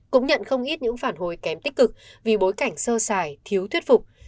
cũng nhận không ít những phản hồi kém tích cực vì bối cảnh sơ xài thiếu thuyết phục